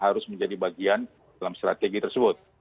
harus menjadi bagian dalam strategi tersebut